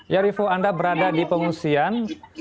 ya rivo anda berada di pengungsian